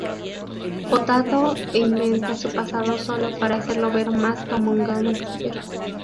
Potato e inventa su pasado sólo para hacerlo ver más como un gángster.